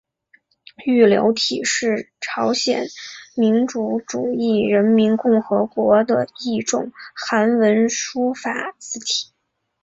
玉流体是朝鲜民主主义人民共和国的一种韩文书法字体。